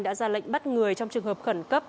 đã ra lệnh bắt người trong trường hợp khẩn cấp